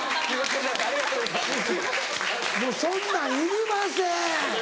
もうそんなんいりません！